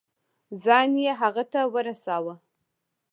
ځان يې هغه ته ورساوه.